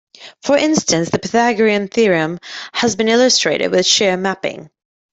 For instance, the Pythagorean theorem has been illustrated with shear mapping.